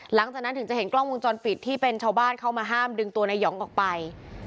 หลังจากนั้นถึงจะเห็นกล้องวงจรปิดที่เป็นชาวบ้านเข้ามาห้ามดึงตัวนายหองออกไป